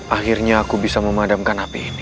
akhirnya aku bisa memadamkan api ini